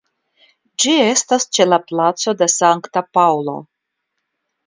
Ĝi estas ĉe la Placo de Sankta Paŭlo.